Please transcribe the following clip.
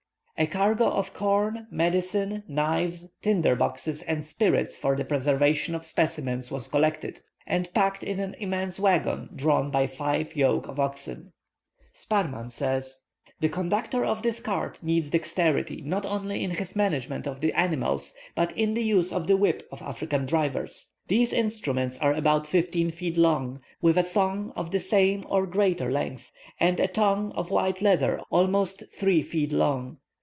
A cargo of corn, medicine, knives, tinder boxes, and spirits for the preservation of specimens was collected, and packed in an immense waggon, drawn by five yoke of oxen. Sparrman says, "The conductor of this cart needs dexterity, not only in his management of the animals, but in the use of the whip of African drivers. These instruments are about fifteen feet long, with a thong of the same or greater length, and a tongue of white leather almost three feet long.